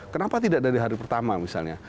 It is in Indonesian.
kenapa tidak dari hari pertama misalnya